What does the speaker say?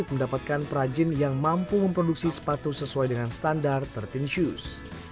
mendapatkan perajin yang mampu memproduksi sepatu sesuai dengan standar tertin shoes